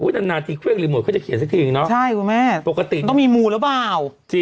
นานาทีเครื่องรีโมทเค้าจะเขียนสักทียังเนอะปกติเป็นใช่คุณแม่ต้องมีมูลหรือเปล่า